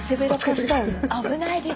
危ないですよ！